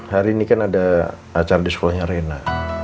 hari ini kan ada acara di sekolahnya rena